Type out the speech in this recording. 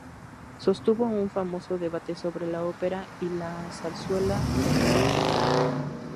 Sostuvo un famoso debate sobre la ópera y la zarzuela con Tomás Bretón.